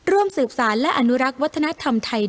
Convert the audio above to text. ร่วมสืบสารและอนุรักษ์วัฒนธรรมไทย